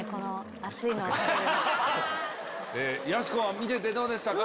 やす子は見ててどうでしたか？